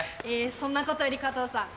そんなことより加藤さん。